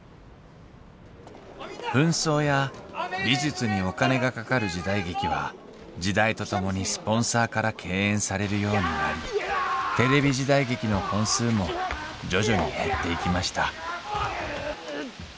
扮装や美術にお金がかかる時代劇は時代とともにスポンサーから敬遠されるようになりテレビ時代劇の本数も徐々に減っていきましたうっくっ。